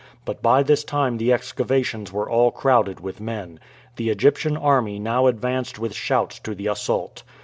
But by this time the excavations were all crowded with men. The Egyptian army now advanced with shouts to the assault.